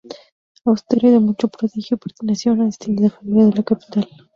Austero y de mucho prodigio, perteneció a una distinguida familia de la capital.